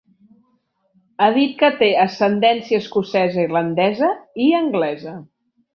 Ha dit que té ascendència escocesa-irlandesa i anglesa.